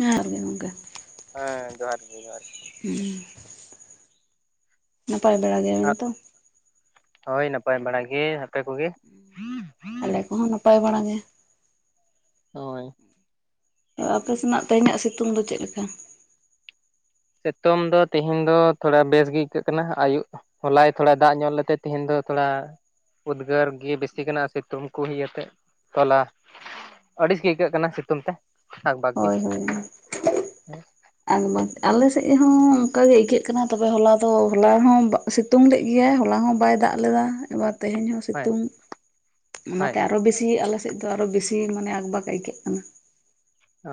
ᱦᱮᱸ ᱜᱮ ᱜᱚᱝᱠᱟ ᱦᱮᱸ ᱡᱚᱦᱟᱨ ᱜᱮ ᱡᱚᱦᱟᱨ ᱜᱮ᱾ ᱱᱟᱯᱟᱭ ᱵᱟᱲᱟ ᱜᱮᱭᱟ ᱵᱤᱱ ᱛᱚ? ᱦᱳᱭ ᱱᱟᱯᱟᱭ ᱵᱟᱲᱟ ᱜᱮ ᱦᱟᱯᱮ ᱠᱚᱜᱮ? ᱟᱞᱮ ᱠᱚᱦᱚᱸ ᱱᱟᱯᱟᱭ ᱵᱟᱲᱟ ᱜᱮ᱾ ᱦᱳᱭ ᱟᱯᱮ ᱥᱮᱱᱟᱜ ᱛᱮᱦᱮᱧᱟᱜ ᱥᱤᱛᱩᱝ ᱫᱚ ᱪᱮᱫ ᱞᱮᱠᱟ? ᱥᱤᱛᱩᱝ ᱫᱚ ᱛᱮᱦᱮᱧ ᱫᱚ ᱛᱷᱚᱲᱟ ᱵᱮᱥ ᱜᱮ ᱟᱹᱭᱠᱟᱹᱜ ᱠᱟᱱᱟ ᱟᱹᱭᱩᱵ ᱦᱚᱞᱟᱭ ᱛᱷᱚᱲᱟ ᱫᱟᱜ ᱧᱚᱜ ᱞᱮᱜᱛᱮ ᱛᱮᱦᱮᱧ ᱫᱚ ᱛᱷᱚᱲᱟ ᱩᱫᱽᱜᱟᱹᱨ ᱜᱮ ᱵᱮᱥᱤ ᱠᱟᱱᱟ ᱥᱤᱛᱩᱝ ᱠᱚ ᱦᱩᱭ ᱟᱛᱮ ᱛᱚᱞᱟ ᱟᱹᱲᱤᱥ ᱜᱮ ᱟᱹᱭᱠᱟᱹᱜ ᱠᱟᱱᱟ ᱥᱤᱛᱩᱝ ᱛᱮ ᱟᱠᱵᱟᱠ ᱜᱮ ᱦᱳᱭ ᱦᱳᱭ ᱟᱞᱮ ᱥᱮᱫ ᱦᱚᱸ ᱚᱱᱠᱟ ᱜᱮ ᱟᱹᱭᱠᱟᱹᱜ ᱠᱟᱱᱟ ᱛᱚᱵᱮ ᱦᱚᱞᱟ ᱫᱚ ᱦᱚᱞᱟ ᱦᱚᱸ ᱥᱤᱛᱩᱝ ᱞᱮᱫ ᱜᱮᱭᱭᱟ ᱦᱚᱞᱟ ᱦᱚᱸ ᱵᱟᱭ ᱫᱟᱜ ᱞᱮᱫᱟ ᱮᱵᱟᱨ ᱛᱮᱦᱮᱧ ᱦᱚᱸ ᱦᱳᱭ ᱥᱤᱛᱩᱝ ᱦᱳᱭ ᱚᱱᱟᱛᱮ ᱟᱨᱚ ᱵᱮᱥᱤ ᱟᱞᱮ ᱥᱮᱫ ᱫᱚ ᱟᱨᱚ ᱵᱮᱥᱤ ᱢᱟᱱᱮ ᱟᱠᱵᱟᱟᱜᱽ ᱟᱹᱭᱠᱟᱹᱜ ᱠᱟᱱᱟ ᱚ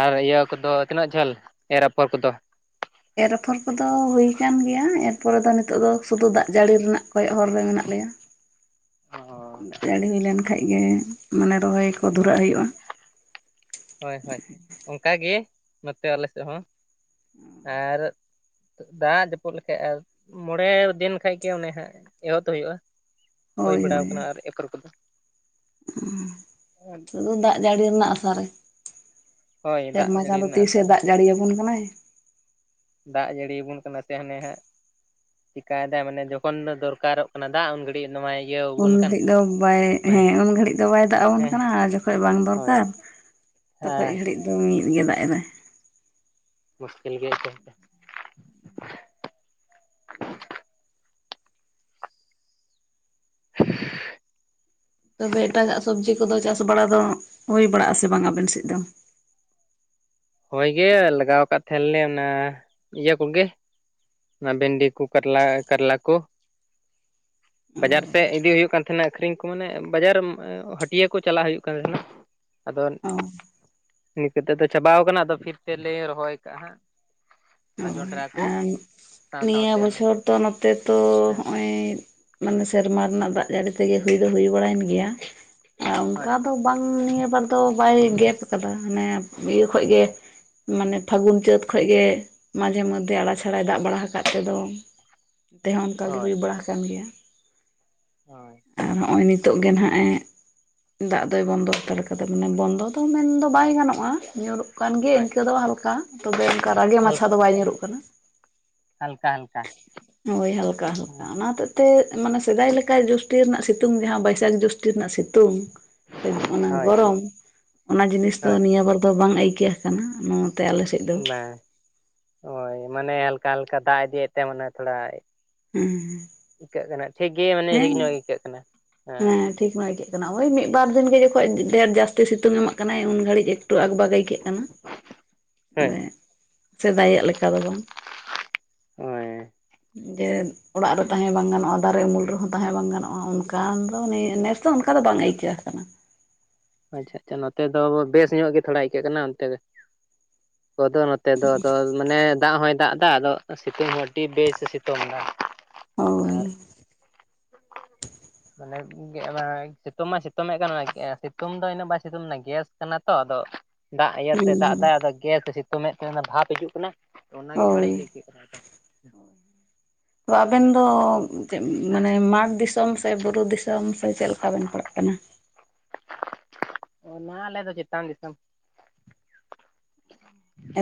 ᱟᱨ ᱤᱭᱟᱹ ᱠᱚᱫᱚ ᱛᱤᱱᱟᱹᱜ ᱡᱷᱟᱹᱞ ᱮᱨ ᱟᱯᱷᱚᱨ ᱠᱚᱫᱚ ᱮᱨ ᱟᱯᱷᱚᱨ ᱠᱚᱫᱚ ᱦᱩᱭ ᱟᱠᱟᱱ ᱜᱮᱭᱟ ᱮᱨᱯᱚᱨᱮ ᱫᱚ ᱱᱤᱛᱚᱜ ᱫᱚ ᱥᱩᱫᱷᱩ ᱫᱟᱜ ᱡᱟᱹᱲᱤ ᱨᱮᱱᱟᱜ ᱠᱚᱭᱚᱜ ᱦᱚᱨ ᱨᱮ ᱢᱮᱱᱟᱜ ᱞᱮᱭᱟ ᱚ ᱫᱟᱜ ᱡᱟᱹᱲᱤ ᱦᱩᱭ ᱞᱮᱱ ᱠᱷᱟᱡ ᱜᱮ ᱢᱟᱱᱮ ᱨᱚᱦᱚᱭ ᱠᱚ ᱦᱳᱭ ᱫᱷᱩᱨᱟᱹᱜ ᱦᱩᱭᱩᱜᱼᱟ ᱦᱳᱭ ᱦᱳᱭ ᱚᱱᱠᱟᱜᱮ ᱱᱚᱛᱮ ᱟᱞᱮ ᱥᱮᱫ ᱦᱚᱸ ᱟᱨ ᱫᱟᱜ ᱡᱟᱹᱯᱩᱫ ᱞᱮᱠᱷᱟᱡ ᱟᱨ ᱢᱚᱬᱮ ᱫᱤᱱ ᱠᱷᱟᱱ ᱜᱮ ᱚᱱᱮ ᱦᱟᱸᱜ ᱮᱦᱚᱵ ᱫᱚ ᱦᱩᱭᱩᱜᱼᱟ ᱦᱩᱭ ᱵᱟᱲᱟᱣ ᱠᱟᱱᱟ ᱨᱮ ᱟᱯᱷᱚᱨ ᱠᱚᱫᱚ ᱥᱩᱫᱩ ᱫᱟᱜ ᱡᱟᱹᱲᱤ ᱨᱮᱱᱟᱜ ᱟᱥᱟ ᱨᱮ ᱦᱳᱭ ᱫᱟᱜ ᱥᱮᱨᱢᱟ ᱡᱟᱹᱲᱤ ᱪᱟᱸᱫᱚ ᱨᱮᱱᱟᱜ ᱟᱥᱟ ᱛᱤᱥᱮ ᱨᱮ ᱫᱟᱜ ᱡᱟᱹᱲᱤ ᱭᱟᱵᱚᱱ ᱠᱟᱱᱟᱭ ᱫᱟᱜ ᱡᱟᱹᱲᱤᱭᱟᱵᱚᱱ ᱠᱟᱱᱟ ᱥᱮ ᱦᱟᱱᱮ ᱦᱟᱸᱜ ᱪᱮᱠᱟᱭᱫᱟᱭ ᱢᱟᱱᱮ ᱡᱚᱠᱷᱚᱱ ᱫᱚᱨᱠᱟᱨᱚᱜ ᱠᱟᱱᱟ ᱫᱟᱜ ᱩᱱ ᱜᱷᱟᱹᱲᱤᱡ ᱱᱚᱣᱟᱭ ᱩᱱ ᱤᱭᱟᱹᱣᱟᱵᱚᱱ ᱠᱟᱱ ᱜᱷᱟᱹᱲᱤᱡ ᱫᱚ ᱵᱟᱭ ᱦᱮᱸ ᱩᱱ ᱜᱷᱟᱹᱲᱤᱡ ᱫᱚ ᱵᱟᱭ ᱫᱟᱜ ᱟᱵᱚᱱ ᱦᱮᱸ ᱠᱟᱱᱟ ᱟᱨ ᱡᱚᱠᱷᱚᱱ ᱵᱟᱝ ᱦᱳᱭ ᱫᱚᱨᱠᱟᱨ ᱛᱚᱠᱷᱚᱱ ᱦᱮᱸ ᱜᱷᱟᱹᱲᱤᱡ ᱫᱚ ᱢᱤᱫ ᱜᱮ ᱫᱟᱜ ᱮᱫᱟᱭ ᱢᱩᱥᱠᱤᱞ ᱜᱮᱭᱟ ᱪᱮ ᱦᱮᱪᱮ [unintelligible] ᱛᱚᱵᱮ ᱮᱴᱟᱜᱟᱜ ᱥᱚᱵᱡᱤ ᱠᱚᱫᱚ ᱪᱟᱥ ᱵᱟᱲᱟ ᱫᱚ ᱦᱩᱭ ᱵᱟᱲᱟᱜ ᱟᱥᱮ ᱵᱟᱝ ᱟᱵᱮᱱ ᱥᱮᱫ ᱫᱚ ᱦᱳᱭ ᱜᱮ ᱞᱟᱜᱟᱣ ᱠᱟᱫ ᱛᱟᱦᱮᱱ ᱞᱮ ᱚᱱᱟ ᱤᱭᱟᱹ ᱠᱚᱜᱮ ᱚᱱᱟ ᱵᱷᱮᱱᱰᱤ ᱠᱚ ᱠᱟᱨᱞᱟ ᱠᱟᱨᱞᱟ ᱠᱚ ᱵᱟᱡᱟᱨ ᱥᱮᱫ ᱤᱫᱤ ᱦᱩᱭᱩᱜ ᱠᱟᱱ ᱛᱟᱦᱮᱱᱟ ᱟᱹᱠᱷᱨᱤᱧ ᱠᱚ ᱢᱟᱱᱮ ᱵᱟᱡᱟᱨ ᱦᱟᱹᱴᱤᱭᱟᱹ ᱠᱚ ᱪᱟᱞᱟᱜ ᱦᱩᱭᱩᱜ ᱠᱟᱱ ᱛᱟᱦᱮᱱᱟ ᱟᱫᱚ ᱚ ᱱᱤᱛᱮᱫᱚ ᱪᱟᱵᱟᱟᱣ ᱠᱟᱱᱟ ᱟᱫᱚ ᱯᱷᱤᱨ ᱛᱮᱞᱮ ᱨᱚᱦᱚᱭ ᱠᱟᱜᱼᱟ ᱦᱟᱸᱜ ᱚᱱᱟ ᱦᱳᱭ ᱡᱚᱱᱰᱨᱟ ᱠᱚ ᱟᱨ ᱥᱟᱶ ᱱᱤᱭᱟᱹ ᱥᱟᱶᱛᱮ ᱚᱱᱟ ᱵᱚᱪᱷᱚᱨ ᱫᱚ ᱱᱚᱛᱮ ᱛᱚ ᱦᱮᱸ ᱱᱚ-ᱚᱜ ᱢᱟᱱᱮ ᱥᱮᱨᱢᱟ ᱚᱱᱟ ᱫᱟᱜ ᱡᱟᱹᱲᱤ ᱛᱮᱜᱮ ᱦᱩᱭ ᱫᱚ ᱦᱩᱭ ᱵᱟᱲᱟᱭᱮᱱ ᱜᱮᱭᱟ ᱦᱳᱭ ᱚᱱᱠᱟ ᱫᱚ ᱵᱟᱝ ᱱᱤᱭᱟᱹ ᱵᱟᱨ ᱫᱚ ᱵᱟᱭ ᱜᱮᱯ ᱟᱠᱟᱫᱟ ᱢᱟᱱᱮ ᱤᱭᱟᱹ ᱠᱷᱚᱡ ᱜᱮ ᱢᱟᱱᱮ ᱯᱷᱟᱹᱜᱩᱱ ᱪᱟᱹᱛ ᱠᱷᱚᱡ ᱜᱮ ᱢᱟᱡᱷᱮ ᱢᱚᱫᱽᱫᱷᱮ ᱟᱲᱟ ᱪᱷᱟᱲᱟᱭ ᱫᱟᱜ ᱵᱟᱲᱟ ᱟᱠᱟᱫ ᱛᱮᱫᱚ ᱮᱱᱛᱮᱦᱚᱸ ᱚᱱᱠᱟᱜ ᱜᱮ ᱦᱳᱭ ᱦᱩᱭ ᱵᱟᱲᱟ ᱟᱠᱟᱱ ᱜᱮᱭᱟ ᱦᱳᱭ ᱟᱨ ᱦᱚᱸᱜᱼᱚᱭ ᱟᱫᱚ ᱱᱤᱛᱳᱜ ᱜᱮ ᱱᱟᱦᱟᱜ ᱮ ᱫᱟᱜ ᱫᱚᱭ ᱵᱚᱱᱫᱚ ᱦᱟᱛᱟᱲ ᱦᱮᱸ ᱠᱟᱫᱟ ᱢᱟᱱᱮ ᱵᱚᱱᱫᱚ ᱫᱚ ᱢᱮᱱᱫᱚ ᱵᱟᱭ ᱜᱟᱱᱚᱜᱼᱟ ᱧᱩᱨᱩᱜ ᱦᱩᱭᱩᱜ ᱠᱟᱱ ᱜᱮᱭᱟ ᱦᱳᱭ ᱤᱱᱠᱟᱹ ᱫᱚ ᱦᱟᱞᱠᱟ ᱛᱚᱵᱮ ᱚᱱᱠᱟ ᱨᱟᱜᱮ ᱢᱟᱪᱷᱟ ᱦᱟᱞᱠᱟ ᱫᱚ ᱵᱟᱭ ᱧᱩᱨᱩᱜ ᱠᱟᱱᱟ ᱦᱟᱞᱠᱟ ᱦᱳᱭ ᱦᱟᱞᱠᱟ ᱦᱟᱞᱠᱟ ᱦᱮᱸ ᱚᱱᱟ ᱦᱚᱛᱮᱡ ᱛᱮ ᱢᱟᱱᱮ ᱥᱮᱫᱟᱭ ᱞᱮᱠᱟ ᱡᱳᱥᱴᱤ ᱨᱮᱱᱟᱜ ᱥᱤᱛᱩᱝ ᱡᱟᱦᱟᱸ ᱵᱟᱹᱭᱥᱟᱹᱠᱷ ᱡᱩᱥᱴᱤ ᱨᱮᱱᱟᱜ ᱥᱤᱛᱩᱝ ᱚᱱᱟ ᱦᱳᱭ ᱜᱚᱨᱚᱢ ᱚᱱᱟ ᱡᱤᱱᱤᱥ ᱫᱚ ᱦᱳᱭ ᱱᱤᱭᱟᱹ ᱵᱟᱨ ᱫᱚ ᱵᱟᱝ ᱟᱹᱭᱠᱟᱹᱜ ᱟᱠᱟᱱᱟ ᱱᱚᱣᱟ ᱛᱮ ᱟᱞᱮ ᱥᱮᱫ ᱫᱚ ᱵᱟᱝ ᱦᱳᱭ ᱢᱟᱱᱮ ᱦᱟᱞᱠᱟ ᱦᱟᱞᱠᱟ ᱫᱟᱜ ᱤᱫᱤᱭᱮᱫ ᱛᱮ ᱢᱟᱱᱮ ᱛᱷᱚᱲᱟ ᱦᱮᱸ ᱦᱮ ᱟᱹᱭᱠᱟᱹᱜ ᱠᱟᱱᱟ ᱴᱷᱤᱠ ᱜᱮ ᱢᱟᱱᱮ ᱦᱷᱤᱠ ᱧᱚᱜ ᱟᱹᱭᱠᱟᱹᱜ ᱠᱟᱱᱟ ᱦᱮᱸ ᱴᱷᱤᱠ ᱢᱟ ᱟᱹᱭᱠᱟᱹᱜ ᱠᱟᱱᱟ ᱳᱭ ᱢᱤᱫ ᱵᱟᱨ ᱫᱤᱱ ᱜᱮ ᱡᱚᱠᱷᱚᱱ ᱰᱷᱮᱨ ᱡᱟᱹᱥᱛᱤ ᱥᱤᱛᱩᱝ ᱮᱢᱟᱜ ᱠᱟᱱᱟᱭ ᱩᱱ ᱜᱷᱟᱹᱲᱤᱡ ᱞᱟᱹᱴᱩ ᱟᱠᱵᱟᱠ ᱟᱹᱭᱠᱟᱹᱜ ᱠᱟᱱᱟ ᱦᱳᱭ ᱵᱮ ᱥᱮᱫᱟᱭᱟᱜ ᱞᱮᱠᱟ ᱫᱚ ᱵᱟᱝ ᱦᱳᱭ ᱡᱮ ᱚᱲᱟᱜ ᱨᱮ ᱛᱟᱦᱮᱸ ᱵᱟᱝ ᱜᱟᱱᱚᱜᱼᱟ ᱫᱟᱨᱮ ᱩᱢᱩᱞ ᱨᱮᱦᱚᱸ ᱛᱟᱦᱮᱸ ᱵᱟᱝ ᱜᱟᱱᱚᱜᱼᱟ ᱠᱷᱟᱱ ᱫᱚ ᱱᱮᱥ ᱫᱚ ᱚᱱᱠᱟ ᱫᱚ ᱵᱟᱝ ᱟᱹᱭᱠᱟᱹᱣ ᱟᱠᱟᱱᱟ ᱚᱱᱛᱮ ᱫᱚ ᱵᱮᱥ ᱧᱚᱜ ᱜᱮ ᱛᱷᱚᱲᱟ ᱟᱹᱭᱠᱟᱹᱜ ᱠᱟᱱᱟ ᱚᱱᱛᱮ ᱫᱚ ᱠᱚᱫᱚ ᱱᱚᱛᱮ ᱫᱚ ᱟᱫᱚ ᱢᱟᱱᱮ ᱫᱟᱜ ᱦᱚᱭ ᱫᱟᱜ ᱮᱫᱟ ᱟᱫᱚ ᱥᱤᱛᱩᱝ ᱦᱚᱸ ᱟᱹᱰᱤ ᱵᱮᱥ ᱮ ᱥᱤᱛᱩᱝ ᱮᱫᱟ ᱾ ᱦᱚᱭ ᱢᱟᱱᱮ ᱥᱤᱛᱩᱝ ᱢᱟᱭ ᱥᱤᱛᱩᱝ ᱮᱫ ᱠᱟᱱᱟᱭ ᱥᱤᱛᱩᱝ ᱫᱚ ᱤᱱᱟᱹ ᱩᱱᱟᱹᱜ ᱵᱟᱭ ᱥᱤᱛᱩᱝ ᱮᱱᱟ ᱜᱮᱥ ᱠᱟᱱᱟ ᱛᱚ ᱟᱫᱚ ᱫᱟᱜ ᱤᱭᱟ ᱛᱮ ᱫᱟᱜ ᱦᱩᱸ ᱫᱟᱭ ᱟᱫᱚ ᱜᱮᱥ ᱥᱮ ᱥᱤᱛᱩᱝᱮᱫ ᱛᱮ ᱵᱷᱟᱯ ᱦᱤᱡᱩᱜ ᱠᱟᱱᱟ ᱾ ᱚᱱᱟ ᱜᱮ ᱵᱟᱲᱤᱡ ᱦᱳᱭ ᱜᱮ [unintelligible] ᱛᱚ ᱟᱵᱮᱱ ᱫᱚ ᱢᱟᱱᱮ ᱢᱟᱨᱴᱷ ᱫᱤᱥᱚᱢ ᱥᱮ ᱵᱩᱨᱩ ᱫᱤᱥᱚᱢ ᱥᱮ ᱪᱮᱫ ᱞᱮᱠᱟ ᱵᱮᱱ ᱯᱟᱲᱟᱜ ᱠᱟᱱᱟ? ᱚᱱᱟ ᱟᱞᱮ ᱫᱚ ᱪᱮᱛᱟᱱ ᱫᱤᱥᱚᱢ᱾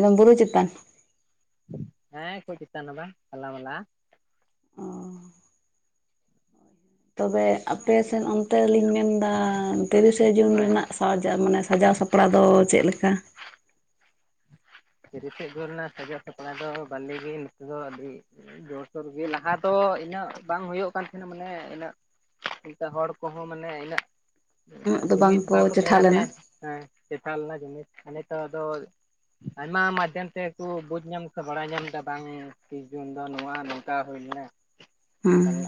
ᱮᱫᱚᱢ ᱵᱩᱨᱩ ᱪᱮᱛᱟᱱ ᱦᱮᱸ ᱠᱟᱹᱡ ᱪᱮᱛᱟᱱ ᱦᱚ ᱵᱟᱝ ᱛᱟᱞᱟ ᱢᱟᱞᱟ ᱾ ᱚ ᱛᱚᱵᱮ ᱟᱯᱮ ᱥᱮᱫ ᱚᱱᱛᱮ ᱞᱤᱧ ᱢᱮᱱᱫᱟ ᱛᱤᱨᱤᱥᱟ ᱡᱩᱱ ᱦᱳᱭ ᱨᱮᱱᱟᱜ ᱥᱟᱡᱟᱣ ᱢᱟᱱᱮ ᱥᱟᱡᱟᱣ ᱥᱟᱯᱲᱟᱣ ᱫᱚ ᱪᱮᱫ ᱞᱮᱠᱟ? ᱛᱤᱨᱤᱥᱟ ᱡᱩᱱ ᱨᱮᱱᱟᱜ ᱥᱟᱡᱟᱣ ᱥᱟᱯᱲᱟᱣ ᱫᱚ ᱵᱷᱟᱞᱤ ᱜᱮ ᱱᱤᱛᱮ ᱫᱚ ᱟᱹᱰᱤ ᱡᱚᱨ ᱥᱚᱨ ᱜᱮ ᱞᱟᱦᱟ ᱫᱚ ᱤᱱᱟᱹᱜ ᱵᱟᱝ ᱦᱩᱭᱩᱜ ᱠᱟᱱ ᱛᱟᱦᱮᱱᱟ ᱢᱟᱱᱮ ᱤᱱᱟᱹᱜ ᱚᱱᱠᱟ ᱦᱚᱲ ᱠᱚᱦᱚᱸ ᱢᱟᱱᱮ ᱤᱱᱟᱹᱜ ᱩᱱᱟᱹᱜ ᱫᱚ ᱡᱩᱢᱤᱫ ᱵᱟᱝᱠᱚ ᱵᱟᱠᱚ ᱪᱮᱴᱷᱟ ᱛᱟᱦᱮᱸ ᱠᱟᱱ ᱞᱮᱱᱟ ᱛᱟᱦᱮᱸ ᱦᱮᱸ᱾ [unintelligible] ᱡᱩᱢᱤᱫᱽ ᱱᱤᱛᱚᱜ ᱫᱚ ᱟᱭᱢᱟ ᱢᱟᱫᱽᱫᱷᱚᱢ ᱛᱮᱠᱚ ᱵᱩᱡ ᱧᱟᱢ ᱥᱮ ᱵᱟᱲᱟᱭ ᱧᱟᱢ ᱮᱫᱟ ᱵᱟᱝ ᱛᱤᱥ ᱡᱩᱱ ᱫᱚ ᱱᱚᱣᱟ ᱱᱚᱝᱠᱟ ᱦᱩᱭ ᱞᱮᱱᱟ ᱾ [inaudible]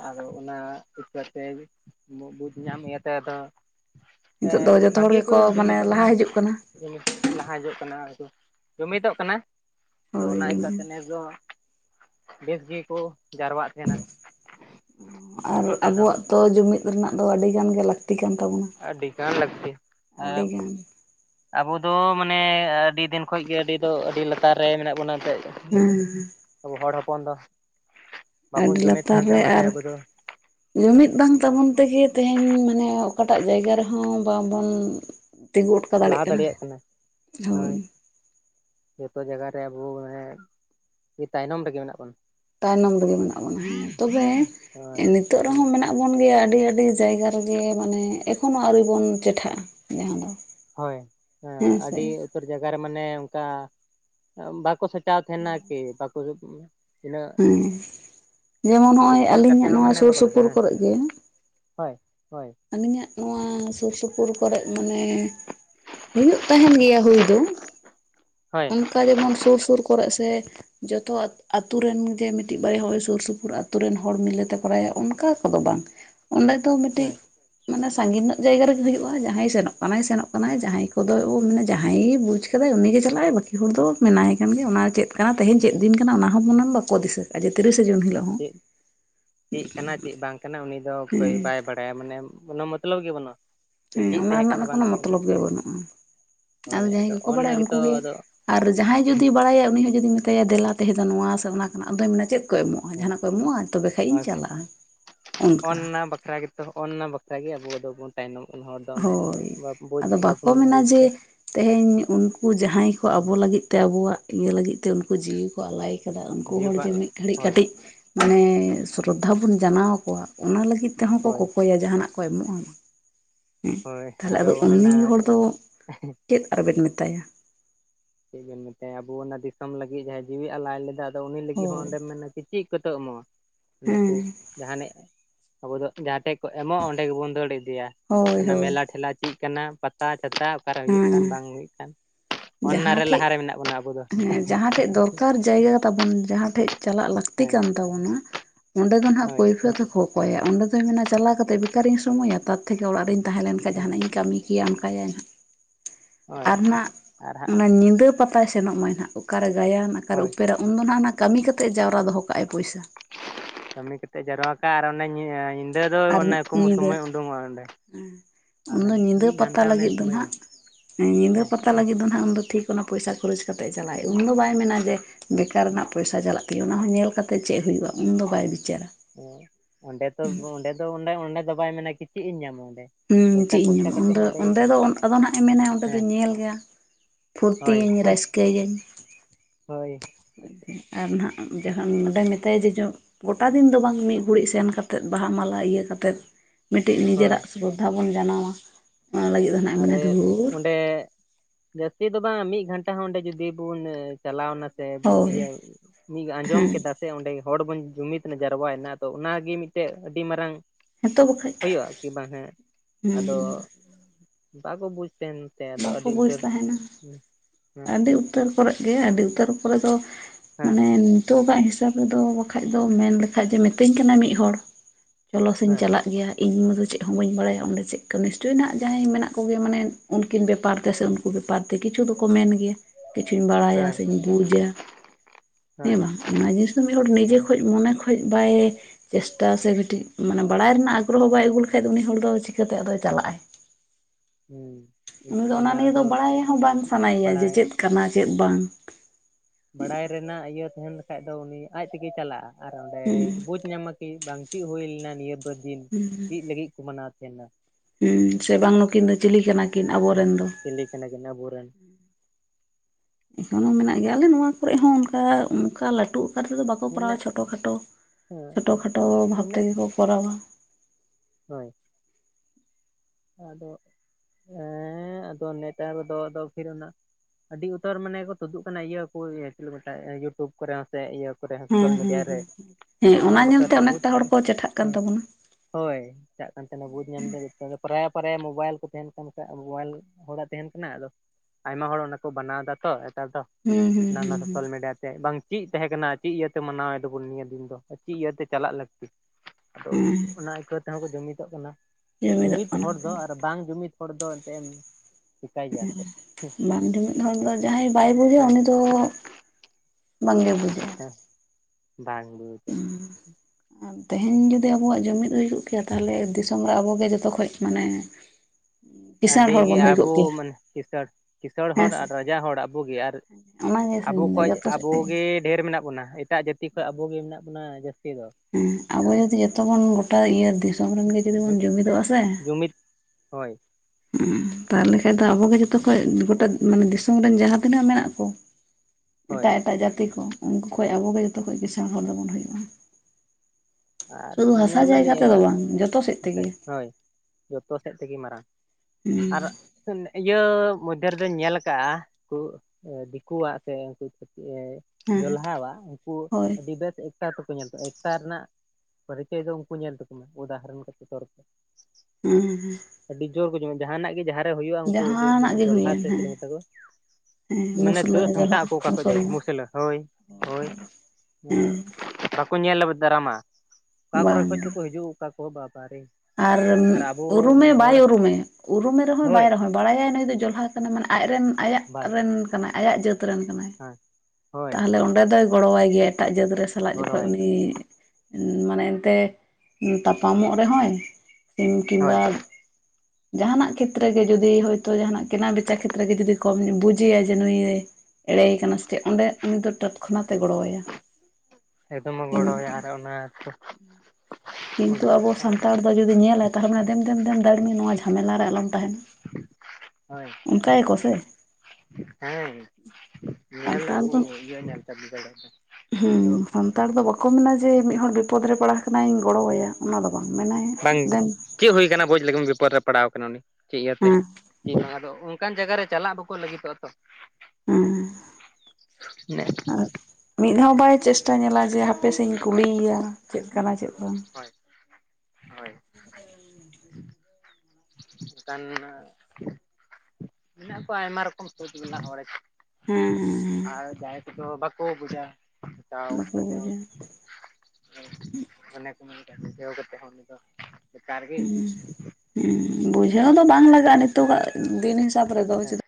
ᱟᱫᱚ ᱚᱱᱟ ᱟᱹᱛᱮ ᱵᱩᱡᱽ ᱧᱟᱢ ᱮᱫᱼᱟ ᱛᱮ ᱟᱫᱚ ᱱᱤᱛᱚᱜ ᱫᱚ [unintelligible] ᱡᱚᱛᱚ ᱦᱚᱲ ᱵᱷᱟᱹᱜᱤ ᱠᱚ ᱜᱮᱠᱚ ᱢᱟᱱᱮ ᱡᱩᱢᱤᱫᱚᱜ ᱞᱟᱦᱟ ᱠᱟᱱᱟ ᱦᱤᱡᱩᱜ ᱞᱟᱦᱟ ᱦᱤᱡᱩᱜ ᱠᱟᱱᱟ ᱟᱨ ᱠᱚ ᱡᱩᱢᱤᱫᱚᱜ ᱠᱟᱱᱟ ᱟᱫᱚ ᱦᱳᱭ ᱚᱱᱟ ᱡᱩᱢᱤᱫ ᱠᱟᱹᱛᱮ ᱱᱮᱥ ᱫᱚ ᱵᱮᱥ ᱜᱮᱠᱚ ᱡᱟᱨᱣᱟᱜ ᱛᱟᱦᱮᱱᱟ ᱟᱨ ᱱᱚᱛᱮ ᱫᱚ ᱟᱵᱚᱣᱟᱜ ᱛᱚ ᱡᱩᱢᱤᱫᱽ ᱨᱮᱱᱟᱜ ᱫᱚ ᱟᱹᱰᱤ ᱜᱟᱱ ᱜᱮ ᱞᱟᱹᱠᱛᱤ ᱾ ᱞᱟᱹᱠᱛᱤ ᱠᱟᱱ ᱛᱟᱵᱚᱱᱟ ᱟᱹᱰᱤᱜᱟᱱ ᱞᱟᱹᱠᱛᱤ ᱟᱹᱰᱤ ᱜᱟᱱ ᱟᱵᱚ ᱫᱚ ᱢᱟᱱᱮ ᱟᱹᱰᱤ ᱫᱤᱱ ᱠᱷᱚᱡ ᱜᱮ ᱟᱹᱰᱤ ᱫᱚ ᱟᱹᱰᱤ ᱞᱟᱛᱟᱨ ᱨᱮ ᱢᱮᱱᱟᱜ ᱵᱚᱱᱟ ᱦᱮᱸ ᱾ ᱟᱵᱚ ᱦᱚᱲ ᱦᱚᱯᱚᱱ ᱫᱚ ᱟᱹᱰᱤ ᱵᱟᱵᱚᱱ ᱡᱩᱢᱤᱫ ᱞᱟᱛᱟᱨ ᱠᱟᱱᱛᱮ ᱨᱮ ᱚᱱᱟᱛᱮ ᱟᱨ ᱟᱵᱚ ᱫᱚ ᱡᱩᱢᱤᱫ ᱵᱟᱝ ᱛᱟᱵᱚᱱ ᱛᱮᱜᱮ ᱛᱮᱦᱮᱧ ᱢᱟᱱᱮ ᱚᱠᱟᱴᱟᱜ ᱡᱟᱭᱜᱟ ᱨᱮᱦᱚᱸ ᱵᱟᱵᱚᱱ ᱛᱤᱸᱜᱩ ᱟᱴᱠᱟ ᱫᱟᱲᱮᱭᱟᱜ ᱠᱟᱱᱟ ᱦᱳᱭ ᱡᱚᱛᱚ ᱡᱟᱭᱜᱟ ᱨᱮ ᱟᱵᱚ ᱢᱟᱱᱮ ᱛᱟᱭᱱᱚᱢ ᱨᱮᱜᱮ ᱢᱮᱱᱟᱜ ᱵᱚᱱᱟ ᱾ ᱛᱟᱭᱱᱚᱢ ᱨᱮᱜᱮ ᱢᱮᱱᱟᱜ ᱵᱚᱱᱟ ᱦᱮᱸ ᱛᱚᱵᱮ ᱱᱤᱛᱚᱜ ᱨᱮᱦᱚᱸ ᱢᱮᱱᱟᱜ ᱵᱚᱱ ᱜᱮᱭᱟ ᱟᱹᱰᱤ ᱟᱹᱰᱤ ᱡᱟᱭᱜᱟ ᱨᱮᱜᱮ ᱢᱟᱱᱮ ᱮᱠᱷᱚᱱ ᱦᱚᱸ ᱟᱹᱣᱨᱤ ᱵᱚᱱ ᱪᱮᱴᱷᱟᱜᱼᱟ ᱡᱟᱦᱟᱸ ᱫᱚ ᱾ ᱦᱳᱭ ᱦᱮᱸ ᱟᱹᱰᱤ ᱩᱛᱟᱹᱨ ᱡᱟᱭᱜᱟ ᱨᱮ ᱢᱟᱱᱮ ᱚᱱᱠᱟ ᱵᱟᱠᱚ [unintelligible] ᱠᱤ ᱵᱟᱠᱚ [inaudible] ᱦᱮᱸ ᱡᱮᱢᱚᱱ ᱱᱚᱜᱼᱚᱭ ᱥᱤᱠᱠᱷᱤᱛ ᱟᱹᱞᱤᱧᱟᱜ ᱠᱟᱛᱮᱫ ᱦᱚᱸ ᱱᱚᱣᱟ ᱢᱟᱱᱮ ᱥᱩᱨ ᱵᱟᱠᱚ ᱥᱩᱯᱩᱨ ᱥᱟᱪᱟᱣᱟ ᱦᱮᱸ ᱠᱚᱨᱮᱜ ᱜᱮ ᱦᱳᱭ ᱦᱳᱭ ᱟᱹᱞᱤᱧᱟᱜ ᱱᱚᱣᱟ ᱥᱩᱨ ᱥᱩᱯᱩᱨ ᱠᱚᱨᱮ ᱢᱟᱱᱮ ᱦᱩᱭᱩᱜ ᱛᱟᱦᱮᱱ ᱜᱮᱭᱟ ᱦᱩᱭ ᱫᱚ ᱦᱳᱭ ᱚᱱᱠᱟ ᱡᱮᱢᱚᱱ ᱥᱩᱨ ᱥᱩᱨ ᱠᱚᱨᱮᱜ ᱥᱮ ᱥᱮ ᱡᱚᱛᱚ ᱟᱛᱳ ᱨᱮᱱ ᱜᱮ ᱢᱤᱫᱴᱤᱡ ᱵᱟᱨᱭᱟ ᱦᱚᱸᱜᱼᱚᱭ ᱥᱩᱨ ᱥᱩᱯᱩᱨ ᱟᱛᱳ ᱨᱮᱱ ᱦᱚᱲ ᱢᱤᱞᱮ ᱛᱮ ᱠᱚᱨᱟᱭᱟ ᱚᱱ ᱚᱠᱟ ᱠᱚᱫᱚ ᱵᱟᱝ ᱚᱸᱰᱮ ᱫᱚ ᱢᱤᱫᱴᱤᱡ ᱦᱳᱭ ᱢᱟᱱᱮ ᱥᱟᱺᱜᱤᱧ ᱧᱚᱜ ᱡᱟᱭᱜᱟ ᱨᱮᱜᱮ ᱦᱩᱭᱩᱜᱼᱟ ᱡᱟᱦᱟᱸᱭ ᱥᱮᱱᱚᱜ ᱠᱟᱱᱟᱭ ᱥᱮᱱᱚᱜ ᱠᱟᱱᱟᱭ ᱡᱟᱦᱟᱸᱭ ᱠᱚᱫᱚ ᱢᱟᱱᱮ ᱡᱟᱦᱟᱸᱭ ᱵᱩᱡ ᱠᱟᱫᱟᱭ ᱩᱱᱤ ᱜᱮ ᱪᱟᱞᱟᱜ ᱟᱭ ᱵᱟᱹᱠᱤ ᱦᱚᱲ ᱫᱚ ᱢᱮᱱᱟᱭ ᱠᱟᱱ ᱜᱮᱭᱟ ᱚᱱᱟ ᱪᱮᱫ ᱠᱟᱱᱟ ᱛᱮᱦᱮᱧ ᱪᱮᱫ ᱫᱤᱱ ᱠᱟᱱᱟ ᱚᱱᱟ ᱦᱚᱸ ᱢᱟᱱᱮ ᱵᱟᱠᱚ ᱫᱤᱥᱟᱹ ᱠᱟᱜᱼᱟ ᱡᱮ ᱛᱤᱨᱤᱥ ᱪᱮᱫ ᱪᱮᱫ ᱠᱟᱱᱟ ᱪᱮᱫ ᱵᱟᱝ ᱠᱟᱱᱟ ᱩᱱᱤ ᱦᱮᱸ ᱫᱚᱭ ᱵᱟᱭ ᱵᱟᱲᱟᱭᱟ ᱢᱟᱱᱮ ᱚᱱᱟ ᱢᱚᱛᱞᱚᱵ ᱜᱮ ᱵᱟᱱᱩᱜ-ᱟ ᱦᱮᱸ ᱚᱱᱟ ᱨᱮᱱᱟᱜ ᱫᱚ ᱠᱚᱱᱚ ᱢᱚᱛᱞᱚᱵ ᱜᱮ ᱵᱟᱹᱱᱩᱜᱼᱟ ᱾ ᱟᱫᱚ ᱦᱳᱭ ᱡᱟᱦᱟᱸᱭ ᱠᱚᱠᱚ ᱚᱱᱟ ᱵᱟᱲᱟᱭᱟ ᱩᱱᱠᱩ ᱜᱮᱛᱚ ᱜᱮ ᱟᱫᱚ ᱟᱨ ᱡᱟᱦᱟᱸᱭ ᱡᱩᱫᱤ ᱵᱟᱲᱟᱭᱟ ᱩᱱᱤ ᱦᱚᱸ ᱡᱩᱫᱤᱧ ᱢᱮᱛᱟᱭᱟ ᱫᱮᱞᱟ ᱛᱟᱦᱮᱸ ᱱᱚᱣᱟ ᱥᱮ ᱚᱱᱟ ᱠᱟᱱᱟ ᱫᱚᱭ ᱢᱮᱱᱟ ᱪᱮᱫ ᱠᱚ ᱮᱢᱚᱜᱼᱟ? ᱡᱟᱦᱟᱱᱟᱜ ᱠᱚ ᱮᱢᱚᱜᱼᱟ? ᱛᱚᱵᱮ ᱠᱷᱟᱱ ᱤᱧ ᱪᱟᱞᱟᱜᱼᱟ ᱾ ᱚᱱ ᱚᱱᱟ ᱵᱟᱠᱷᱨᱟ ᱜᱮᱛᱚ ᱚᱱ ᱚᱱᱟ ᱵᱟᱠᱷᱨᱟ ᱜᱮ ᱟᱵᱚ ᱫᱚᱵᱚᱱ ᱛᱟᱭᱱᱚᱢ ᱠᱟᱱᱟ ᱦᱚᱲ ᱫᱚ ᱚᱱᱮ ᱟᱫᱚ ᱦᱚᱭ ᱵᱩᱡᱽ ᱟᱫᱚ ᱵᱟᱠᱚ ᱵᱟᱵᱚᱱ ᱢᱮᱱᱟ ᱵᱩᱡᱽ ᱡᱮ ᱛᱮ ᱛᱮᱦᱮᱧ ᱩᱱᱠᱩ ᱡᱟᱦᱟᱸᱭ ᱠᱚ ᱦᱮᱸ ᱟᱵᱚ ᱞᱟᱹᱜᱤᱫ ᱛᱮ ᱟᱵᱚᱣᱟᱜ ᱤᱭᱟᱹ ᱞᱟᱹᱜᱤᱫ ᱛᱮ ᱩᱱᱠᱩ ᱩᱱᱠᱩ ᱡᱤᱣᱤ ᱠᱚ ᱟᱞᱟᱭ ᱟᱠᱟᱫᱟ ᱩᱱᱠᱩ ᱡᱤᱣᱤ ᱦᱚᱲ ᱡᱮ ᱠᱚᱣᱟᱜ ᱢᱤᱫ ᱜᱷᱟᱹᱲᱤᱡ ᱦᱳᱭ ᱠᱟᱹᱴᱤᱡ ᱢᱟᱱᱮ ᱥᱨᱚᱫᱷᱟ ᱵᱚᱱ ᱡᱟᱱᱟᱣ ᱟᱠᱚᱣᱟ ᱚᱱᱟ ᱞᱟᱹᱜᱤᱫ ᱛᱮᱦᱚᱸ ᱠᱚ ᱦᱳᱭ ᱠᱚᱠᱚᱭᱟ ᱡᱟᱦᱟᱱᱟᱜ ᱠᱚ ᱮᱢᱚᱜᱼᱟ᱾ ᱦᱮᱸ ᱦᱳᱭ ᱛᱟᱦᱞᱮ ᱟᱫᱚ ᱠᱚ ᱢᱮᱱᱟ ᱩᱱᱤ ᱦᱚᱲ ᱫᱚ ᱪᱮᱫ ᱟᱨᱵᱮᱱ ᱢᱮᱛᱟᱭᱟ᱾ ᱪᱮᱫ ᱵᱮᱱ ᱢᱮᱛᱟᱭᱟ ᱟᱵᱚ ᱚᱱᱟ ᱫᱤᱥᱚᱢ ᱞᱟᱹᱜᱤᱫ ᱡᱟᱦᱟᱸᱭ ᱡᱤᱣᱤ ᱮ ᱟᱞᱟᱭ ᱞᱮᱫᱟ ᱟᱫᱚ ᱩᱱᱤ ᱞᱟᱹᱜᱤᱫ ᱦᱚᱸ ᱦᱳᱭ ᱚᱸᱰᱮᱢ ᱢᱮᱱᱟ ᱠᱚ ᱪᱮᱫ ᱦᱮᱸ [unintelligible] ᱡᱟᱦᱟᱱᱤᱡ ᱟᱵᱚ ᱫᱚ ᱡᱟᱦᱟᱸ ᱴᱷᱮᱡ ᱮᱢᱚᱜᱼᱟ ᱚᱸᱰᱮ ᱜᱮᱵᱚᱱ ᱫᱟᱹᱲ ᱤᱫᱤᱭᱟ ᱦᱳᱭ ᱚᱱᱟ ᱦᱳᱭ ᱢᱮᱞᱟ ᱴᱷᱮᱞᱟ ᱪᱮᱫ ᱠᱟᱱᱟ ᱯᱟᱛᱟ ᱥᱮᱛᱟ ᱚᱠᱟᱨᱮ ᱦᱩᱭᱩᱜ ᱠᱟᱱ ᱵᱟᱝ ᱦᱩᱭᱩᱜ ᱠᱟᱱ ᱚᱱᱟᱨᱮ ᱡᱟᱦᱟᱸᱴᱷᱮᱡ ᱞᱟᱦᱟᱨᱮ ᱢᱮᱱᱟᱜ ᱵᱚᱱᱟ ᱟᱵᱚ ᱫᱚ ᱦᱮᱸ ᱡᱟᱦᱟᱸᱴᱷᱮᱡ ᱫᱚᱨᱠᱟᱨ ᱡᱟᱭᱜᱟ ᱛᱟᱵᱚᱱ ᱡᱟᱦᱟᱸᱴᱷᱮᱡ ᱪᱟᱞᱟᱜ ᱞᱟᱹᱠᱛᱤ ᱦᱮᱸ ᱠᱟᱱ ᱛᱟᱵᱚᱱᱟ ᱚᱸᱰᱮ ᱫᱚ ᱦᱳᱭ ᱦᱟᱸᱜ [unintelligible] ᱚᱸᱰᱮ ᱫᱚ ᱢᱮᱱᱟ ᱪᱟᱞᱟᱣ ᱠᱟᱛᱮᱫ ᱵᱮᱠᱟᱨᱤᱧ ᱥᱚᱢᱚᱭᱟ ᱛᱟᱫᱷᱮ ᱜᱮ ᱚᱲᱟᱜ ᱨᱤᱧ ᱛᱟᱦᱮᱸ ᱞᱮᱱ ᱠᱷᱟᱱ ᱦᱳᱭ ᱡᱟᱦᱟᱱᱟᱜ ᱤᱧ ᱠᱟᱹᱢᱤ ᱠᱮᱭᱟ ᱚᱱ ᱟᱭᱟᱭ ᱦᱟᱜ ᱦᱳᱭ ᱟᱨ ᱦᱟᱜ ᱟᱨ ᱦᱟᱸᱜ ᱚᱱᱟ ᱧᱤᱫᱟᱹ ᱯᱟᱛᱟᱭ ᱥᱮᱱᱚᱜ ᱢᱟᱭ ᱦᱟᱸᱜ ᱚᱠᱟᱨᱮ ᱜᱟᱭᱟᱱ ᱟᱠᱟᱨ ᱦᱳᱭ ᱩᱯᱟᱹᱨᱟ ᱩᱱ ᱫᱚ ᱦᱟᱜ ᱚᱱᱟ ᱠᱟᱹᱢᱤ ᱠᱷᱟᱹᱛᱤᱨ ᱡᱟᱣᱨᱟ ᱫᱚᱦᱚ ᱠᱚ ᱠᱟᱹᱢᱤ ᱠᱟᱛᱮ ᱡᱟᱣᱨᱟ ᱠᱟᱜᱼᱟ ᱟᱨ ᱚᱱᱮ [unintelligible] ᱚᱸᱰᱮ ᱫᱚ ᱟᱨ ᱚᱱᱮ ᱠᱚᱢ ᱧᱤᱫᱟᱹ ᱥᱚᱢᱚᱭ ᱩᱰᱩᱝᱚᱜᱼᱟ ᱚᱸᱰᱮ ᱟᱨ ᱢᱤᱫ ᱜᱷᱚᱱᱴᱟ ᱚᱱᱮ ᱥᱚᱢᱚᱭ ᱵᱟᱝ ᱦᱮᱸ ᱧᱤᱫᱟᱹ ᱯᱟᱛᱟ ᱞᱟᱹᱜᱤᱫ ᱫᱚ ᱦᱟᱸᱜ ᱩᱱᱫᱚ ᱴᱷᱤᱠ ᱚᱱᱟ ᱯᱚᱭᱥᱟ ᱠᱷᱚᱨᱚᱪ ᱠᱟᱛᱮ ᱪᱟᱞᱟᱜᱼᱟ ᱩᱱᱫᱚ ᱵᱟᱭ ᱢᱮᱱᱟ ᱡᱮ ᱦᱳᱭ ᱵᱮᱠᱟᱨ ᱨᱮᱱᱟᱜ ᱯᱚᱭᱥᱟ ᱪᱟᱞᱟᱜ ᱚᱱᱟ ᱦᱚᱸ ᱧᱮᱞ ᱠᱟᱛᱮᱫ ᱪᱮᱫ ᱦᱩᱭᱩᱜᱼᱟ ᱩᱱᱫᱚ ᱵᱟᱭ ᱵᱤᱪᱟᱹᱨᱟ ᱦᱳ ᱚᱸᱰᱮ ᱫᱚ ᱚᱸᱰᱮ ᱫᱚ ᱚᱸᱰᱮ ᱫᱚ ᱵᱟᱭ ᱢᱮᱱᱟ ᱠᱤ ᱪᱮᱫ ᱤᱧ ᱧᱟᱢᱟ᱾ ᱚᱸᱰᱮ ᱦᱮᱸ ᱯᱚᱭᱥᱟ ᱪᱮᱫ ᱤᱧ ᱠᱷᱚᱨᱪᱟ ᱧᱟᱢᱟ ᱠᱟᱛᱮ ᱦᱚᱸ ᱚᱸᱰᱮ ᱫᱚ ᱪᱟᱞᱟᱜᱼᱟ ᱟᱫᱚ ᱦᱟᱸᱜᱮ ᱢᱮᱱᱟᱭᱟ ᱚᱸᱰᱮ ᱦᱮᱸ ᱫᱚᱧ ᱧᱮᱞ ᱜᱮᱭᱟ᱾ ᱦᱳᱭ ᱯᱷᱩᱨᱛᱟᱹᱧ ᱨᱟᱹᱥᱠᱟᱹᱭᱟᱹᱧ᱾ ᱦᱳᱭ ᱟᱨ ᱱᱟ-ᱟᱜ ᱡᱟᱦᱟᱸ ᱱᱚᱰᱮ ᱢᱮᱛᱟᱭᱟ ᱡᱮ ᱡᱳᱜ ᱜᱳᱴᱟ ᱫᱤᱱ ᱫᱚ ᱵᱟᱝ ᱢᱤᱫ ᱜᱷᱟᱹᱲᱤᱡ ᱥᱮᱱ ᱠᱟᱛᱮᱫ ᱵᱟᱦᱟ ᱢᱟᱞᱟ ᱤᱭᱟᱹ ᱠᱟᱛᱮᱫ ᱢᱤᱫᱴᱤᱡ ᱦᱳᱭ ᱱᱤᱡᱮᱨᱟᱜ ᱥᱨᱚᱫᱷᱟ ᱵᱚᱱ ᱡᱟᱱᱟᱣᱟ ᱚᱱᱟ ᱞᱟᱹᱜᱤᱫ ᱫᱚ ᱦᱟᱹᱜ ᱢᱮᱱᱟ ᱟᱨᱮ ᱫᱷᱩᱨ ᱚᱸᱰᱮ ᱡᱟᱹᱥᱛᱤ ᱫᱚ ᱵᱟᱝ ᱢᱤᱫ ᱜᱷᱚᱱᱴᱟ ᱦᱚᱸ ᱚᱸᱰᱮ ᱡᱩᱫᱤ ᱵᱚᱱ ᱪᱟᱞᱟᱣᱱᱟ ᱥᱮᱵᱚᱱ ᱦᱳᱭ ᱤᱭᱟᱹ ᱢᱤᱜ ᱟᱸᱡᱚᱢ ᱦᱮᱸ ᱠᱮᱫᱟ ᱥᱮ ᱚᱸᱰᱮ ᱦᱚᱲ ᱵᱚᱱ ᱡᱩᱢᱤᱫ ᱮᱱᱟ ᱡᱟᱨᱣᱟᱭᱮᱱᱟ ᱛᱚ ᱚᱱᱟᱜᱮ ᱢᱤᱫᱴᱮᱱ ᱟᱹᱰᱤ ᱢᱟᱨᱟᱝ ᱦᱮᱸᱛᱚ ᱵᱟᱠᱷᱟᱡ ᱦᱩᱭᱩᱜᱼᱟ ᱠᱤ ᱵᱟᱝ ᱦᱮᱸ ᱟᱫᱚ ᱦᱩᱸ ᱵᱟᱠᱚ ᱵᱩᱡ ᱵᱟᱠᱚ ᱵᱩᱡᱽ ᱛᱟᱦᱮᱸᱱᱟ ᱦᱮᱸ ᱟᱹᱰᱤ ᱩᱛᱟᱹᱨ ᱠᱚᱨᱮ ᱜᱮ ᱟᱹᱰᱤ ᱩᱛᱟᱹᱨ ᱯᱚᱨᱮ ᱫᱚ ᱦᱮᱸ ᱢᱟᱱᱮ ᱱᱤᱛᱚᱜᱟᱜ ᱦᱤᱥᱟᱹᱵ ᱨᱮᱫᱚ ᱵᱟᱠᱷᱟᱡ ᱫᱚ ᱢᱮᱱ ᱞᱮᱠᱷᱟᱡᱮ ᱢᱤᱛᱟᱹᱧ ᱠᱟᱱᱟ ᱢᱤᱫ ᱦᱚᱲ ᱪᱚᱞᱚ ᱥᱮᱧ ᱦᱳᱭ ᱪᱟᱞᱟᱜ ᱜᱮᱭᱟ᱾ ᱤᱧ ᱢᱟᱫᱚ ᱪᱮᱫ ᱦᱚᱸ ᱵᱟᱹᱧ ᱵᱟᱲᱟᱭᱟ ᱚᱸᱰᱮ ᱪᱮᱫ ᱠᱚ ᱱᱤᱥᱪᱚᱭ ᱡᱟᱦᱟᱸᱭ ᱢᱮᱱᱟᱜ ᱠᱚᱜᱮ ᱢᱟᱱᱮ᱾ ᱩᱱᱠᱤᱱ ᱵᱮᱯᱟᱨ ᱛᱮ ᱥᱮ ᱩᱱᱠᱩ ᱵᱮᱯᱟᱨ ᱛᱮ ᱠᱤᱪᱷᱩ ᱫᱚᱠᱚ ᱢᱮᱱ ᱜᱮᱭᱟ᱾ ᱠᱤᱪᱷᱩᱧ ᱵᱟᱲᱟᱭᱟ ᱦᱳᱭ ᱥᱮᱧ ᱵᱩᱡᱟ᱾ ᱦᱮᱸ ᱵᱟᱝ ᱚᱱᱟ ᱡᱤᱱᱤᱥ ᱫᱚ ᱢᱤᱫ ᱦᱚᱲ ᱱᱤᱡᱮ ᱦᱳᱭ ᱠᱷᱚᱡ ᱢᱚᱱᱮ ᱠᱷᱚᱱ ᱠᱷᱚᱡ ᱵᱟᱭ ᱪᱮᱥᱴᱟ ᱥᱮ ᱠᱟᱹᱴᱤᱡ ᱢᱟᱱᱮ ᱵᱟᱲᱟᱭ ᱨᱮᱱᱟᱜ ᱟᱜᱨᱚᱦᱚ ᱵᱟᱭ ᱟᱹᱜᱩ ᱞᱮᱠᱷᱟᱡ ᱩᱱᱤ ᱦᱚᱲ ᱫᱚ ᱪᱤᱠᱟᱹᱛᱮ ᱟᱫᱚᱭ ᱪᱟᱞᱟᱜᱼ ᱟᱭ ᱩᱱᱤ ᱫᱚ ᱦᱩᱸ ᱚᱱᱟ ᱱᱤᱭᱮ ᱡᱟᱦᱟᱸ ᱫᱚ ᱵᱟᱲᱟᱭ ᱦᱚᱸ ᱵᱟᱝ ᱥᱟᱱᱟᱭᱮᱭᱟ ᱡᱮ ᱵᱟᱲᱟᱭ ᱪᱮᱫ ᱠᱟᱱᱟ ᱪᱮᱫ ᱵᱟᱝ ᱵᱟᱲᱟᱭ ᱨᱮᱱᱟᱜ ᱤᱭᱟᱹ ᱛᱟᱦᱮᱱ ᱞᱮᱠᱷᱟᱡ ᱫᱚ ᱩᱱᱤ ᱟᱡ ᱛᱮᱜᱮ ᱪᱟᱞᱟᱜᱼᱟ᱾ ᱟᱨ ᱚᱸᱰᱮ ᱦᱮᱸ ᱵᱩᱡ ᱧᱟᱢᱟ ᱠᱤ ᱵᱟᱝ ᱪᱮᱫ ᱦᱩᱭ ᱞᱮᱱᱟ ᱱᱤᱭᱟᱹ ᱵᱟᱨ ᱫᱤᱱ ᱪᱮᱫ ᱞᱟᱹᱜᱤᱫ ᱠᱚ ᱢᱟᱱᱟᱣ ᱛᱟᱦᱮᱱᱟ ᱦᱮᱸ ᱥᱮ ᱵᱟᱝ ᱱᱩᱠᱤᱱ ᱫᱚ ᱪᱤᱞᱤ ᱠᱟᱱᱟ ᱠᱤᱱ ᱟᱵᱚᱨ ᱦᱮᱸ ᱨᱮᱱ ᱫᱚ ᱪᱤᱞᱤ ᱠᱟᱱᱟ ᱠᱤᱱ ᱟᱵᱚᱨᱮᱱ ᱮᱠᱷᱚᱱᱳ ᱢᱮᱱᱟᱜ ᱜᱮᱭᱟ ᱟᱞᱮ ᱱᱚᱣᱟ ᱠᱚᱨᱮᱜ ᱦᱚᱸ ᱚᱱᱠᱟ ᱚᱱᱠᱟ ᱞᱟᱹᱴᱩ ᱚᱠᱟᱨ ᱛᱮᱫᱚ ᱵᱟᱠᱚ ᱠᱚᱨᱟᱣᱟ ᱢᱮᱱᱟᱜ ᱪᱷᱳᱴᱳ ᱠᱷᱟᱴᱳ ᱦᱮᱸ ᱠᱷᱳᱴᱳ ᱠᱷᱟᱴᱚ ᱵᱷᱟᱵᱽ ᱢᱮᱱᱟᱜ ᱛᱮᱜᱮ ᱠᱚ ᱠᱚᱨᱟᱣᱟ᱾ ᱦᱳᱭ ᱟᱫᱚ ᱦᱮᱸ ᱟᱫᱚ ᱱᱮᱰᱟ ᱠᱚᱫᱚ ᱟᱫᱚ ᱯᱷᱤᱨᱱᱟ᱾ ᱟᱹᱰᱤ ᱩᱛᱟᱹᱨ ᱢᱟᱱᱮ ᱠᱚ ᱛᱩᱫᱩᱜ ᱠᱟᱱᱟ ᱤᱭᱟᱹ ᱠᱚ [unintelligible] ᱤᱭᱩᱴᱩᱵᱽ ᱠᱚᱨᱮ ᱦᱚᱸ ᱥᱮ ᱤᱭᱟᱹ ᱠᱚᱨᱮ ᱦᱚᱸ ᱦᱮᱸ ᱥᱳᱥᱟᱞ ᱦᱮᱸ ᱢᱤᱰᱤᱭᱟ ᱨᱮ ᱦᱮᱸ ᱦᱮᱸ ᱟᱫᱚ ᱚᱱᱟ ᱧᱮᱞᱛᱮ ᱵᱟᱠᱷᱨᱟᱛᱮ ᱵᱩᱡᱽ ᱚᱱᱮᱠᱴᱟ ᱦᱚᱲ ᱠᱚ ᱪᱮᱴᱷᱟᱜ ᱠᱟᱱ ᱛᱟᱵᱚᱱᱟ᱾ ᱦᱳᱭ ᱪᱟᱜ ᱛᱟᱦᱮᱱᱟ ᱵᱩᱡᱽ ᱧᱟᱢ ᱫᱟᱭ᱾ ᱦᱮᱸ ᱵᱟᱨᱭᱟ ᱢᱳᱵᱟᱭᱤᱞ ᱠᱚ ᱛᱟᱦᱮᱸᱱ ᱠᱟᱱ ᱠᱷᱟ ᱢᱳᱵᱟᱭᱤᱞ ᱦᱚᱲᱟᱜ ᱛᱟᱦᱮᱱ ᱠᱟᱱᱟ ᱟᱫᱚ ᱟᱭᱢᱟ ᱦᱚᱲ ᱚᱱᱟᱠᱚ ᱵᱮᱟᱱᱟᱣ ᱮᱫᱟ ᱛᱚ ᱮᱠᱟᱞ ᱛᱚ ᱦᱩᱸ ᱦᱩᱸ ᱚᱱᱟ ᱦᱩᱸ ᱦᱩᱸ ᱥᱳᱥᱟᱞ ᱢᱤᱰᱤᱭᱟ ᱛᱮ ᱵᱟᱝ ᱪᱤᱫ ᱛᱮᱦᱮᱸ ᱠᱟᱱᱟ ᱪᱤᱫ ᱤᱭᱟᱹᱛᱮ ᱢᱟᱱᱟᱣ ᱫᱚᱵᱚᱱ ᱱᱤᱭᱟᱹ ᱫᱤᱱ ᱫᱚ ᱪᱮᱫ ᱤᱭᱟᱹᱛᱮ ᱪᱟᱞᱟᱜ ᱞᱟᱹᱠᱛᱤ? ᱟᱫᱚ ᱦᱮᱸ ᱚᱱᱟ ᱟᱹᱭᱠᱟᱹᱣ ᱛᱮᱦᱚᱸ ᱠᱚ ᱡᱩᱢᱤᱫᱚᱜ ᱠᱟᱱᱟ ᱡᱩᱢᱤᱫᱚᱜ ᱡᱩᱢᱤᱫ ᱠᱟᱱᱟ ᱦᱚᱲ ᱠᱚ ᱫᱚ ᱟᱨ ᱵᱟᱝ ᱡᱩᱢᱤᱫ ᱦᱚᱲ ᱫᱚ ᱫᱮᱢ ᱵᱟᱝ ᱰᱷᱮᱣᱮᱜ ᱫᱷᱟᱣ ᱡᱟᱦᱟᱸᱭ ᱵᱟᱭ ᱵᱩᱡᱟ ᱦᱮᱸ ᱩᱱᱤ ᱫᱚ ᱵᱟᱝᱜᱮ ᱵᱩᱡᱟᱭ ᱦᱮᱸ ᱵᱟᱝ ᱵᱩ ᱪᱟ ᱟᱨ ᱛᱮᱦᱮᱧ ᱡᱩᱫᱤ ᱟᱵᱚᱣᱟᱜ ᱡᱩᱢᱤᱫ ᱦᱩᱭᱩᱜ ᱠᱮᱭᱟ ᱛᱟᱦᱞᱮ ᱫᱤᱥᱚᱢ ᱨᱮ ᱟᱵᱚᱜᱮ ᱡᱚᱛᱚ ᱠᱷᱚᱡ ᱢᱟᱱᱮ ᱠᱤᱥᱟᱹᱬ ᱦᱚᱲ ᱟᱹᱰᱤᱜᱮ ᱵᱚᱱ ᱦᱩᱭ ᱟᱵᱚ ᱠᱚᱜ ᱠᱮᱭᱟ ᱢᱟᱱᱮ ᱠᱤᱥᱟᱹᱲ ᱠᱤᱥᱟᱹᱲ ᱦᱮᱸ ᱦᱚᱲ ᱥᱮ ᱟᱨ ᱨᱟᱡᱟ ᱦᱚᱲ ᱟᱵᱚᱜᱮ ᱟᱨ ᱚᱱᱟᱜᱮ ᱟᱵᱩ ᱥᱮᱧ ᱠᱷᱚᱡ ᱡᱚᱛᱚ ᱥᱮᱫ ᱛᱮᱜᱮ ᱟᱵᱩᱜᱮ ᱰᱷᱹᱮᱨ ᱢᱮᱱᱟᱜ ᱵᱚᱱᱟ ᱮᱴᱟᱜ ᱡᱟᱹᱛᱤ ᱠᱷᱚᱡ ᱟᱵᱩᱜᱮ ᱢᱮᱱᱟᱜ ᱵᱚᱱᱟ ᱡᱟᱹᱥᱛᱤ ᱫᱚ ᱦᱮᱸ ᱟᱵᱚ ᱢᱟᱱᱮ ᱡᱩᱫᱤ ᱡᱚᱛᱚ ᱵᱚᱱ ᱜᱚᱴᱟᱭ ᱤᱭᱟᱹ ᱫᱤᱥᱚᱢ ᱨᱮᱱ ᱜᱮ ᱡᱩᱫᱤ ᱵᱚᱱ ᱡᱩᱢᱤᱫᱚᱜᱼᱟ ᱥᱮ ᱡᱩᱢᱤᱫ ᱦᱳᱭ ᱦᱮᱸ ᱛᱟᱦᱞᱮ ᱠᱷᱟᱜ ᱫᱚ ᱟᱵᱚᱜᱮ ᱡᱚᱛᱚ ᱠᱷᱚᱡ ᱜᱚᱴᱟ ᱢᱟᱱᱮ ᱫᱤᱥᱚᱢ ᱨᱮᱱ ᱡᱟᱦᱟᱸ ᱛᱤᱱᱟᱹᱜ ᱢᱮᱱᱟᱜ ᱠᱚ ᱦᱳᱭ ᱮᱴᱟᱜ ᱮᱴᱟᱜ ᱡᱟᱹᱛᱤ ᱠᱚ ᱩᱱᱠᱩ ᱠᱷᱚᱡ ᱟᱵᱚᱜᱮ ᱡᱚᱛᱚ ᱠᱷᱚᱡ ᱠᱤᱥᱟᱹᱲ ᱦᱚᱲ ᱫᱚ ᱵᱩᱱ ᱦᱩᱭᱩᱜᱼᱟ ᱟᱨ ᱥᱩᱫᱷᱩ ᱦᱟᱥᱟ ᱧᱮᱞᱢ ᱡᱟᱭᱜᱟ ᱱᱤᱭᱟᱹ ᱛᱮᱫᱚ ᱵᱟᱝ ᱡᱚᱛᱚ ᱥᱮᱫ ᱟᱪᱷᱟ ᱛᱮᱜᱮ ᱦᱳᱭ ᱡᱚᱛᱚ ᱥᱮᱫ ᱛᱮᱜᱮ ᱢᱟᱨᱟᱝ ᱦᱮᱸ ᱟᱨ ᱤᱱ ᱤᱭᱟᱹ ᱢᱚᱫᱽᱫᱷᱮ ᱨᱮᱫᱚᱧ ᱧᱮᱞ ᱠᱟᱜᱼᱟ ᱫᱤᱠᱩ ᱫᱤᱠᱩᱣᱟᱜ ᱥᱮ ᱦᱮᱸ ᱡᱚᱞᱦᱟᱣᱟᱜ ᱩᱱᱠᱩ ᱦᱳᱭ ᱟᱹᱰᱤ ᱵᱮᱥ ᱮᱠᱴᱟᱨ ᱛᱮᱠᱚ ᱧᱮᱞ ᱠᱚᱣᱟ ᱮᱠᱴᱟᱨ ᱨᱮᱱᱟᱜ ᱯᱟᱺᱨᱪᱟᱺᱭ ᱫᱚ ᱩᱱᱠᱩ ᱧᱮᱞ ᱛᱟᱠᱚ ᱢᱮ ᱩᱫᱟᱦᱚᱨᱚᱱ ᱠᱟᱛᱮ ᱛᱚᱨᱠᱚ ᱮᱻᱮ ᱡᱚᱛᱚ ᱠᱚ ᱡᱚᱢᱟ ᱡᱟᱦᱟᱱᱟᱜ ᱜᱮ ᱡᱟᱦᱟᱸᱨᱮ ᱦᱩᱭᱩᱜᱼᱟ ᱩᱱᱠᱩ ᱜᱮ ᱡᱚᱞᱦᱟ ᱦᱩᱭᱮᱱ ᱥᱮ ᱦᱮᱸ ᱪᱤᱞᱤ ᱠᱳ ᱢᱮᱛᱟ ᱠᱚᱣᱟ ᱦᱮᱸ ᱢᱟᱱᱮ ᱢᱩᱥᱞᱟᱹ ᱫᱟᱹᱲ ᱡᱚᱞᱦᱟ ᱥᱟᱢᱴᱟᱜ ᱟᱠᱚ ᱚᱠᱟ ᱠᱷᱚᱡ ᱡᱮ ᱢᱩᱥᱚᱞᱢᱟᱱ ᱢᱩᱥᱟᱹᱞᱟ ᱦᱳᱭ ᱦᱳᱭ ᱢᱟᱱᱮ ᱦᱮᱸ ᱵᱟᱠᱚ ᱧᱮᱞ ᱫᱟᱨᱟᱢᱟ ᱚᱠᱟ ᱠᱚᱨᱮ ᱠᱷᱚᱡ ᱵᱟᱝᱜᱮ ᱪᱩᱠᱚ ᱦᱤᱡᱩᱜ ᱚᱠᱟ ᱠᱚᱦᱚᱸ ᱵᱟ ᱟᱨ ᱩᱨᱩᱢᱮ ᱵᱟᱭ ᱦᱚᱲ ᱩᱨᱩᱢᱮ ᱩᱨᱩᱢᱮ ᱨᱮᱦᱚᱸ ᱵᱟᱭ ᱦᱳᱭ ᱨᱮᱦᱚᱭ ᱵᱟᱲᱟᱭᱟᱭ ᱱᱩᱭ ᱫᱚ ᱡᱚᱞᱦᱟ ᱠᱟᱱᱟᱭ ᱢᱟᱱᱮ ᱟᱡᱨᱮᱱ ᱟᱭᱟᱜ ᱵᱟᱭ ᱨᱮᱱ ᱠᱟᱱᱟᱭ ᱟᱭᱟᱜ ᱡᱟᱹᱛ ᱨᱮᱱ ᱠᱟᱱᱟᱭ ᱦᱳᱭ ᱛᱟᱦᱚᱞᱮ ᱚᱸᱰᱮ ᱫᱚᱭ ᱜᱚᱲᱚᱣᱟᱭ ᱜᱮᱭᱟ ᱮᱴᱟᱜ ᱡᱟᱹᱛ ᱨᱮ ᱥᱟᱞᱟᱜ ᱡᱚᱠᱷᱚᱜ ᱜᱚᱲᱚᱣᱟᱭ ᱩᱱᱤ ᱜᱮᱭᱟ ᱢᱟᱱᱮ ᱮᱱᱛᱮ ᱛᱟᱯᱟᱢᱚᱜ ᱨᱮᱦᱚᱸᱭ ᱤᱧ ᱠᱤᱝᱵᱟ ᱦᱳᱭ ᱡᱟᱦᱟᱱᱟᱜ ᱠᱷᱮᱛᱨᱮ ᱜᱮ ᱡᱩᱫᱤ ᱦᱳᱭᱛᱚ ᱡᱟᱦᱟᱱᱟᱜ ᱠᱮᱱᱟᱝ ᱵᱮᱪᱟ ᱠᱷᱮᱛᱨᱮ ᱜᱮ ᱡᱩᱫᱤ ᱠᱚᱢ ᱵᱩᱡᱮᱭᱟ ᱡᱮ ᱱᱩᱭ ᱮᱲᱮᱭᱮ ᱠᱟᱱᱟ ᱥᱮᱪᱮᱫ ᱚᱸᱰᱮ ᱩᱱᱤ ᱫᱚ ᱴᱚᱴ ᱠᱷᱚᱱᱟᱜᱛᱮᱭ ᱜᱚᱲᱚ ᱟᱭᱟ ᱮᱠᱫᱚᱢᱮ ᱜᱚᱲᱚᱟᱭᱟ ᱟᱨ ᱚᱱᱟ ᱠᱩ ᱠᱤᱱᱛᱩ ᱟᱵᱚ ᱥᱟᱱᱛᱟᱲ ᱫᱚ ᱡᱩᱫᱤ ᱧᱮᱞᱟᱭ ᱛᱟᱦᱚᱞᱮ ᱫᱮᱱ ᱫᱮᱱᱫᱮᱢ ᱫᱟᱲᱢᱤ ᱱᱚᱣᱟ ᱡᱷᱟᱢᱮᱞᱟ ᱨᱮ ᱟᱞᱚᱢ ᱛᱟᱦᱮᱱᱟ ᱦᱳᱭ ᱚᱱᱠᱟᱭ ᱟᱠᱚ ᱥᱮ ᱦᱮᱸ ᱧᱮᱞᱞᱟᱠᱩ ᱤᱭᱟᱹ ᱧᱮᱞᱛᱮ ᱵᱩᱡᱦᱟᱹᱣ ᱫᱟᱢᱥᱮ ᱦᱩ ᱥᱟᱱᱛᱟᱲ ᱫᱚ ᱵᱟᱠᱚ ᱢᱮᱱᱟ ᱡᱮ ᱢᱤᱫᱦᱚᱲ ᱵᱤᱯᱚᱫᱽ ᱨᱮ ᱯᱟᱲᱟᱣ ᱟᱠᱟᱱᱟᱧ ᱜᱚᱲᱚ ᱣᱟᱭᱟ ᱚᱱᱟ ᱫᱚ ᱵᱟᱝ ᱢᱮᱱᱟᱭ ᱵᱟᱝ ᱫᱮᱱ ᱪᱤᱫ ᱦᱩᱭᱠᱟᱱᱟ ᱵᱩᱡᱽ ᱞᱟᱹᱜᱤᱫ ᱵᱤᱯᱚᱛ ᱨᱮ ᱯᱟᱲᱟᱣ ᱟᱠᱟᱱᱟ ᱩᱱᱤ ᱪᱮᱫ ᱤᱭᱟᱹᱛᱮ ᱦᱮᱸ ᱚᱱᱟ ᱫᱚ ᱚᱱᱠᱟᱱ ᱡᱟᱭᱜᱟ ᱨᱮ ᱪᱟᱞᱟᱜ ᱵᱟᱠᱩ ᱞᱟᱹᱜᱤᱛᱚᱜᱼᱟ ᱛᱚ ᱦᱮᱸ ᱱᱮ ᱤᱱᱟᱦᱚᱸ ᱵᱟᱭ ᱪᱮᱥᱴᱟ ᱧᱮᱞᱟ ᱡᱮ ᱦᱟᱯᱮᱥᱮᱧ ᱠᱩᱞᱤᱭᱭᱟ ᱪᱮᱫ ᱠᱟᱱᱟ ᱪᱮᱫ ᱵᱟᱝ ᱦᱳᱭ ᱦᱳᱭ ᱮᱱᱠᱷᱟᱱ ᱢᱮᱱᱟᱜ ᱠᱚᱣᱟ ᱟᱭᱢᱟ ᱨᱚᱠᱚᱢ ᱥᱳᱡᱽ ᱵᱟᱞᱟ ᱦᱚᱲ ᱦᱩᱻᱦᱩᱻᱦᱩ ᱩᱱᱠᱩ ᱫᱚ ᱵᱟᱠᱩ ᱵᱩᱡᱟ ᱦᱟᱛᱟᱣ ᱵᱟᱠᱚ ᱠᱟᱛᱮᱜ ᱵᱩᱡᱟ ᱦᱚᱸ ᱚᱱᱮ ᱠᱩ ᱢᱮᱱ ᱟᱠᱟᱫ ᱵᱩᱡᱦᱟᱹᱣ ᱦᱚᱸ ᱩᱱᱤ ᱫᱚ ᱵᱮᱠᱟᱨ ᱜᱮ ᱦᱩᱸ ᱵᱩᱡᱷᱟᱹᱣ ᱫᱚ ᱵᱟᱝ ᱞᱟᱜᱟᱜᱼᱟ ᱱᱤᱛᱚᱜᱟᱜ ᱫᱤᱱ ᱦᱤᱥᱟᱹᱵ ᱨᱮᱫᱚ ᱦᱮᱸ ᱪᱮᱫᱟᱜ